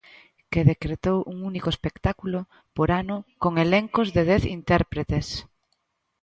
Que decretou un único espectáculo por ano con elencos de dez intérpretes.